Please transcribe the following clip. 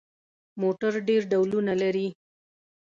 موټر ډېر ډولونه لري.